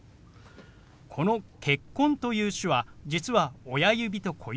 この「結婚」という手話実は親指と小指